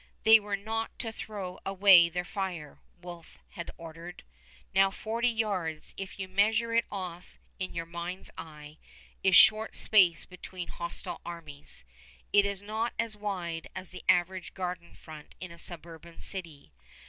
"They were not to throw away their fire," Wolfe had ordered. Now forty yards, if you measure it off in your mind's eye, is short space between hostile armies. It is not as wide as the average garden front in a suburban city.